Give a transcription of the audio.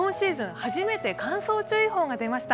初めて乾燥注意報が出ました。